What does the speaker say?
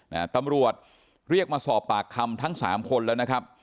นะฮะตำรวจเรียกมาสอบปากคำทั้งสามคนแล้วนะครับ